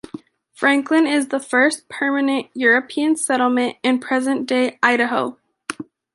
Franklin is the first permanent European settlement in present-day Idaho.